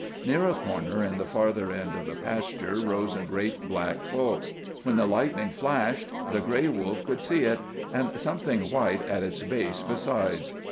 Near a corner in the farther end of the pasture rose a great black bulk; when the lightning flashed the gray wolf could see it, and something white at its base besides.